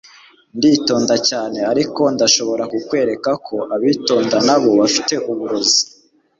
nditonda cyane ariko ndashobora kukwereka ko abitonda nabo bafite uburozi